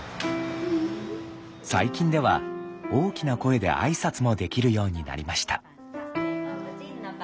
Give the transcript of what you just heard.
最近では大きな声で挨拶もできるようになりました。